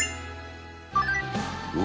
うわ！